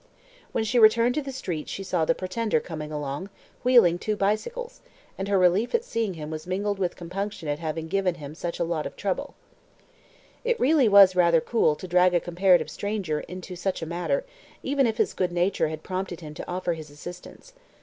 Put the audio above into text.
When she returned to the street she saw the "Pretender" coming along, wheeling two bicycles; and her relief at seeing him was mingled with compunction at giving him such a lot of trouble. It really was rather cool to drag a comparative stranger into such a matter, even if his good nature had prompted him to offer his assistance.